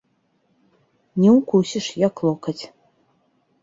Не ўкусіш, як локаць.